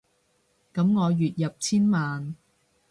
噉我月入千萬